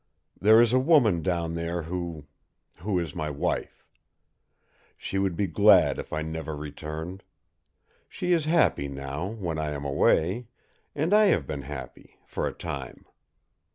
There is a woman down there who who is my wife. She would be glad if I never returned. She is happy now, when I am away, and I have been happy for a time.